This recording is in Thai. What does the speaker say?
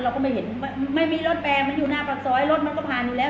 เราก็ไม่เห็นไม่มีรถแปลมันอยู่หน้าปากซอยรถมันก็ผ่านอยู่แล้ว